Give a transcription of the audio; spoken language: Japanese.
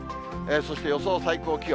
そして予想最高気温。